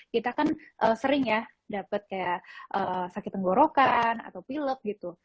kita kan sering ya dapet kayak sakit tenggorokan atau pilek gitu